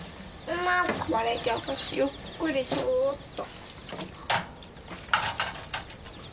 割れちゃうからゆっくりそっと。